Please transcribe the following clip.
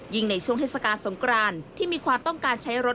ในช่วงเทศกาลสงครานที่มีความต้องการใช้รถ